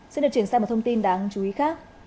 xin được chuyển sang một thông tin đáng chú ý khác